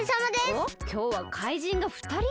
おっきょうはかいじんがふたりか。